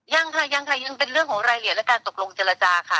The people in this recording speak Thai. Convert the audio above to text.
ยังค่ะยังค่ะยังเป็นเรื่องของรายละเอียดและการตกลงเจรจาค่ะ